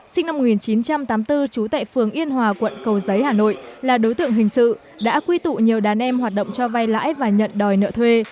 sinh năm một nghìn chín trăm tám mươi bốn trú tại phường yên hòa quận cầu giấy hà nội là đối tượng hình sự đã quy tụ nhiều đàn em hoạt động cho vay lãi và nhận đòi nợ thuê